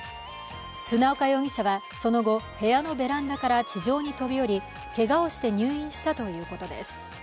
船岡容疑者はその後、部屋のベランダから地上に飛び降りけがをして入院したということです。